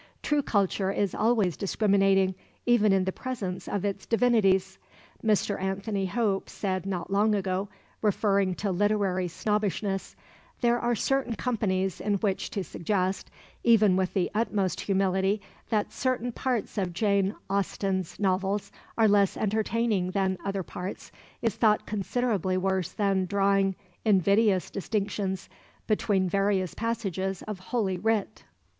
True culture is always discriminating, even in the presence of its divinities. Mr. Anthony Hope said not long ago, referring to literary snobbishness: "There are certain companies in which to suggest, even with the utmost humility, that certain parts of Jane Austen's novels are less entertaining than other parts is thought considerably worse than drawing invidious distinctions between various passages of Holy Writ."